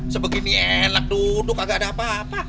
sebegini enak duduk agak ada apa apa